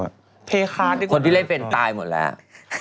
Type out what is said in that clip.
เล่นเป็นหรือไม่เล่นเป็นคนที่เล่นเป็นตายหมดแล้ว